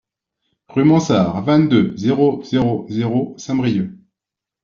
Rue Mansart, vingt-deux, zéro zéro zéro Saint-Brieuc